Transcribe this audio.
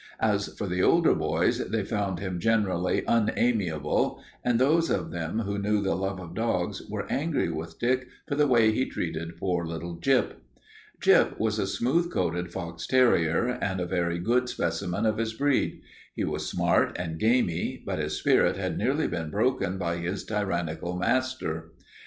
As for the older boys, they found him generally unamiable and those of them who knew the love of dogs were angry with Dick for the way he treated poor little Gyp. Gyp was a smooth coated fox terrier and a very good specimen of his breed. He was smart and gamey, but his spirit had nearly been broken by his tyrannical master.